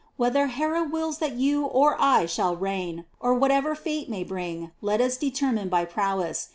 Whether Hera wills that you or I shall reign, or whatever fate may bring, let us determine by prowess.